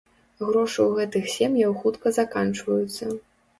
Грошы ў гэтых сем'яў хутка заканчваюцца.